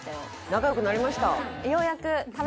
仲良くなりました